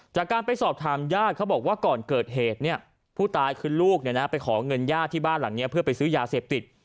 จากการไปสอบถามญาติเขาบอกว่าก่อนเกิดเหตุเนี่ยผู้ตายคือลูกไปขอเงินญาติที่บ้านหลังนี้เพื่อไปซื้อยาเสพติด